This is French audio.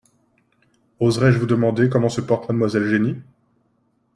Oserai-je vous demander comment se porte mademoiselle Jenny ?